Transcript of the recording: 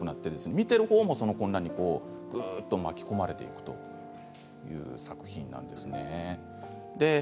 見ているほうも巻き込まれていくという作品なんですね。